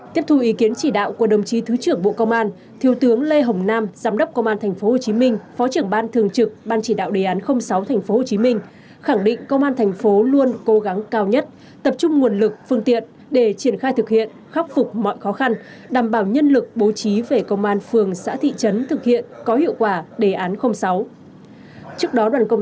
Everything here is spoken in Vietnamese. tiếp thu ý kiến chỉ đạo của đồng chí thứ trưởng bộ công an thiếu tướng lê hồng nam giám đốc công an tp hcm phó trưởng ban thường trực ban chỉ đạo đề án sáu tp hcm khẳng định công an tp hcm luôn cố gắng cao nhất tập trung nguồn lực phương tiện để triển khai thực hiện khắc phục mọi khó khăn đảm bảo nhân lực bố trí về công an phường xã thị trấn thực hiện có hiệu quả đề án sáu